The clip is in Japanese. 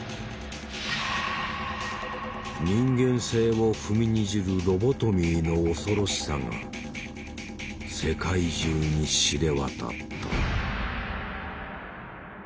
人間性を踏みにじるロボトミーの恐ろしさが世界中に知れ渡った。